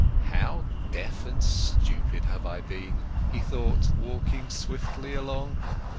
"How deaf and stupid have I been!" he thought, walking swiftly along.